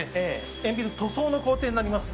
鉛筆塗装の工程になります。